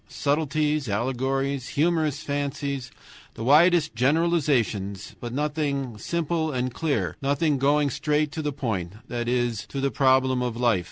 Subtleties, allegories, humorous fancies, the widest generalizations, but nothing simple and clear, nothing going straight to the point, that is, to the problem of life.